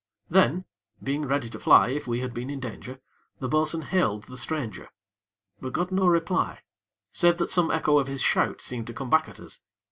Then, being ready to fly if we had been in danger, the bo'sun hailed the stranger; but got no reply, save that some echo of his shout seemed to come back at us.